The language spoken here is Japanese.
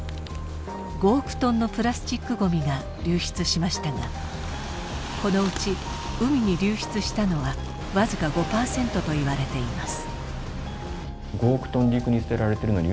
５億トンのプラスチックごみが流出しましたがこのうち海に流出したのはわずか５パーセントといわれています。